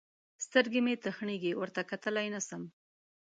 سترګې مې تخېږي؛ ورته کتلای نه سم.